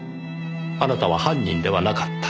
あなたは犯人ではなかった。